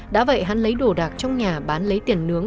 đã vậy hắn lấy đồ đạc trong nhà bán lấy tiền nướng